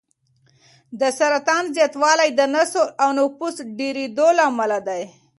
د سرطان زیاتوالی د نسل او نفوس ډېرېدو له امله دی.